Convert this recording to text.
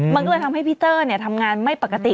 มันก็เลยทำให้พี่เตอร์ทำงานไม่ปกติ